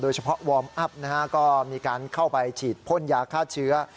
เฉพาะวอร์มอัพก็มีการเข้าไปฉีดพ่นยาฆ่าเชื้อ